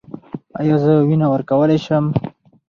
ایا زه وینه ورکولی شم؟